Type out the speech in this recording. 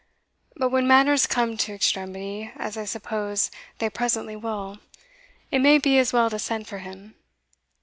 But when matters come to extremity, as I suppose they presently will it may be as well to send for him.